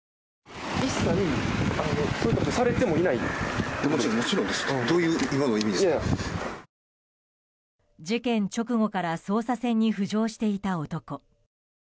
事件直後から捜査線に浮上していた男。